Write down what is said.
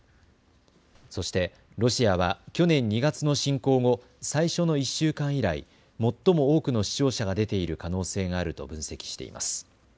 そしてロシアは去年２月の侵攻後、最初の１週間以来最も多くの死傷者が出ている可能性があると分析しています。